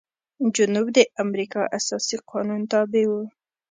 جنوب د امریکا اساسي قانون تابع و.